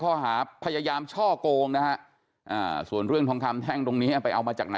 ไม่ได้แกล้งอย่าพูดให้ดีนะแกล้งเดี๋ยวดูมีเจ้าพนักงานอะ